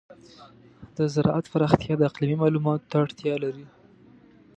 د زراعت پراختیا د اقلیمي معلوماتو ته اړتیا لري.